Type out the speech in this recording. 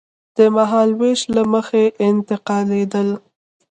د مهالوېش له مخې انتقالېدل.